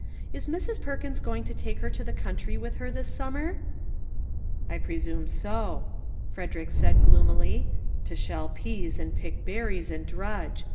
Is Mrs. Perkins going to take her to the country with her this summer ?"" I presume so," Frederick said gloomily ;" to shell peas, and pick berries, and drudge.